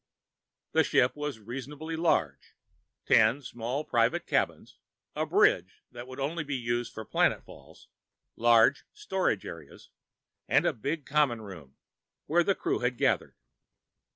The ship was reasonably large ten small private cabins, a bridge that would only be used for planetfalls, large storage areas, and a big common room, where the crew had gathered.